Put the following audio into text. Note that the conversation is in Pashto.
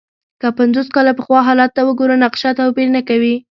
که پنځوس کاله پخوا حالت ته وګورو، نقشه توپیر نه کوي.